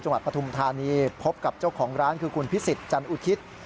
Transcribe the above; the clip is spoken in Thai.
จังหวัดปฐุมธานีพบกับเจ้าของร้านคือคุณพิศิษฐ์จันอุทิศ